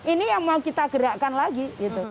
ini yang mau kita gerakkan lagi